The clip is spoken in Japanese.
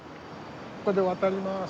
ここで渡ります。